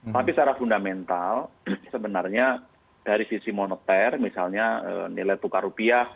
tapi secara fundamental sebenarnya dari sisi moneter misalnya nilai tukar rupiah